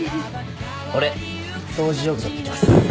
俺掃除用具持ってきます。